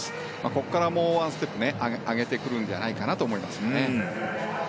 ここから、もうワンステップ上げてくるんじゃないかなと思いますね。